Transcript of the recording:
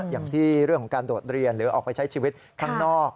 อย่างที่เรื่องของการโดดเรียนหรือออกไปใช้ชีวิตข้างนอก